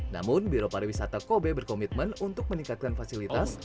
namun biro pariwisata kobe berkomitmen untuk meningkatkan fasilitas